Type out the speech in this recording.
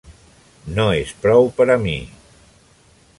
No és prou per a mi.